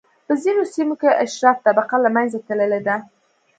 په ځینو سیمو کې اشراف طبقه له منځه تللې ده.